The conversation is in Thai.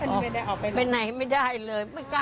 ออกไปไหนไม่ได้เลยไม่กล้าออก